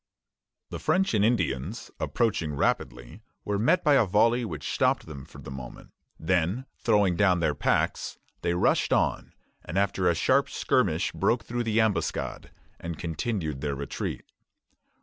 The French and Indians, approaching rapidly, were met by a volley which stopped them for the moment; then, throwing down their packs, they rushed on, and after a sharp skirmish broke through the ambuscade and continued their retreat.